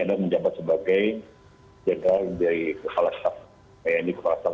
ada menjabat sebagai jenderal menjadi kepala staff tni pak rizal